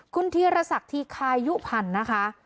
คุณธีรศักดิ์ธีคายุพันธ์นะคะ